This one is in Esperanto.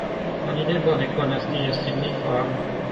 Oni ne bone konas ties signifon.